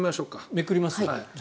めくります。